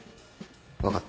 分かった。